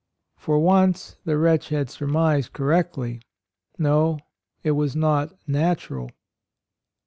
For once the wretch had surmised correctly: no, it was not natural.